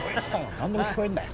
何でも聞こえんだよ